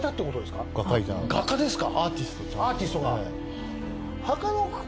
画家ですか。